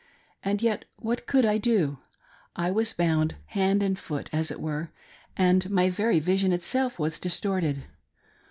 And yet, what could I do .' I was bound hand and foot, as it were, and my very vision itself was distorted.